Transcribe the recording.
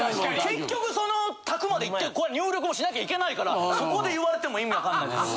結局その卓まで行って入力もしなきゃいけないからそこで言われても意味わかんないですし。